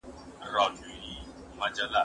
زه اوږده وخت ليکنې کوم!!